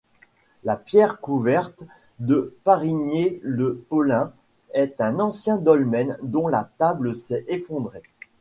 La Pierre couverte de Parigné-le-Pôlin est un ancien dolmen dont la table s'est effondrée.